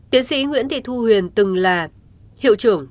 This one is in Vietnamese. tiến sĩ nguyễn thị thu huyền từng là hiệu trưởng